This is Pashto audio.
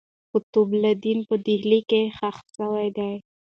قطب الدین په ډهلي کښي ښخ سوی دئ.